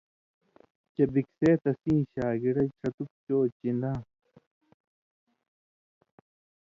چےۡ بِکسے تسیں شاگڑہ ݜتک چو چِن٘داں